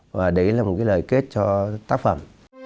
và đấy là một cái lời kết cho tác phẩm